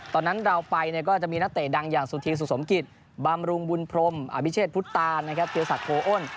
ตอนนั้นเราไปก็จะมีนักเตะดังอย่างสุธิสุสมกิจบำรุงบุญพรมอาวิเชษภุตตานเทียสัตว์โพอ้น